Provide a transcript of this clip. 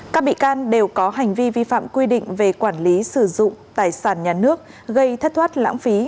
các bị can đều có hành vi vi phạm quy định về quản lý sử dụng tài sản nhà nước gây thất thoát lãng phí